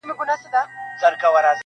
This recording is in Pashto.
o گوجر ته بوره ښه ده!